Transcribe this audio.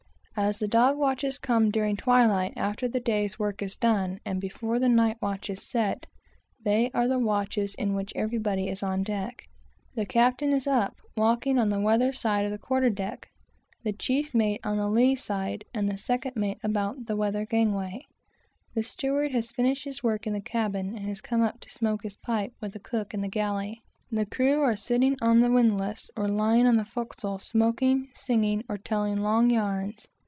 As the dog watches come during twilight, after the day's work is done, and before the night watch is set, they are the watches in which everybody is on deck. The captain is up, walking on the weather side of the quarter deck, the chief mate is on the lee side, and the second mate about the weather gangway. The steward has finished his work in the cabin, and has come up to smoke his pipe with the cook in the galley. The crew are sitting on the windlass or lying on the forecastle, smoking, singing, or telling long yarns.